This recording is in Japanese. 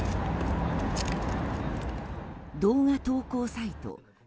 動画投稿サイト